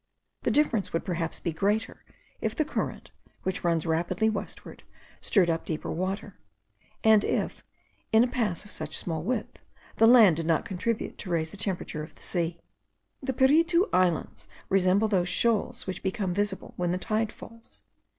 The difference would perhaps be greater, if the current, which runs rapidly westward, stirred up deeper water; and if, in a pass of such small width, the land did not contribute to raise the temperature of the sea. The Piritu Islands resemble those shoals which become visible when the tide falls.